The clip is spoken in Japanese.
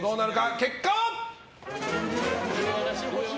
結果は。